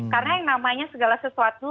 karena yang namanya segala sesuatu